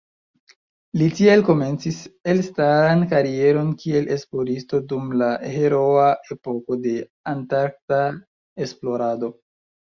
Li tiel komencis elstaran karieron kiel esploristo dum la heroa epoko de antarkta esplorado.